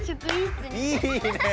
いいね。